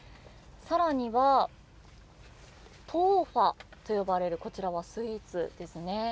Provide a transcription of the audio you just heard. さらには、豆花と呼ばれるこちらはスイーツです。